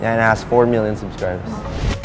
แค่๔โลกติดตาม